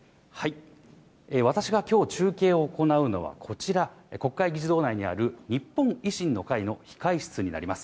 私がきょう中継を行うのはこちら、国会議事堂内にある日本維新の会の控室になります。